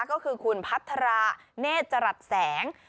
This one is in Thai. ก็คือคุณพัทราเนธจรัสแสง